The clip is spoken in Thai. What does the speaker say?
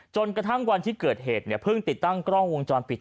จนกระทั่งวันที่เกิดเหตุเนี่ยเพิ่งติดตั้งกล้องวงจรปิด